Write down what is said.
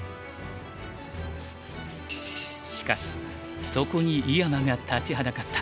しかしそこに井山が立ちはだかった。